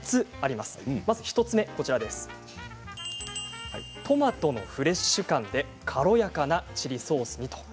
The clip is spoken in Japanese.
まず１つ目はトマトのフレッシュ感で軽やかなチリソースに。